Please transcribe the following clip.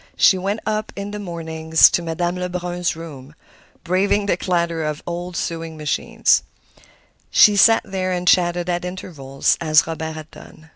She went up in the mornings to Madame Lebrun's room, braving the clatter of the old sewing machine. She sat there and chatted at intervals as Robert had done.